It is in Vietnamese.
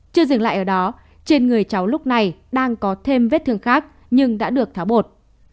chưa dừng lại ở đó trên người cháu lúc này đang có thêm vết thương khác nhưng đã được tháo bột